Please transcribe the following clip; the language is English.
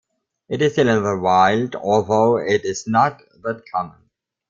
It is still in the wild, although it is not that common.